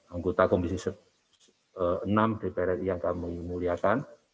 anggota komisi enam dpr ri yang kami muliakan